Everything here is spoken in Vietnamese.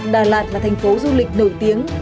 đà lạt là thành phố du lịch nổi tiếng